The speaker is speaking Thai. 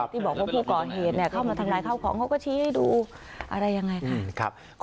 ที่บอกว่าผู้ก่อเหตุเข้ามาทำลายข้าวของเขาก็ชี้ให้ดูอะไรยังไงค่ะ